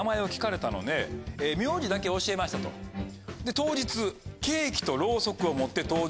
当日。